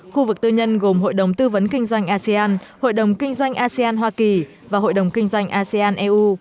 khu vực tư nhân gồm hội đồng tư vấn kinh doanh asean hội đồng kinh doanh asean hoa kỳ và hội đồng kinh doanh asean eu